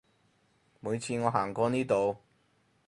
每次我行過呢度